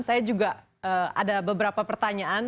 saya juga ada beberapa pertanyaan